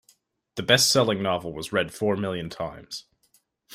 The bestselling novel was read four million times.